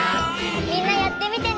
みんなやってみてね！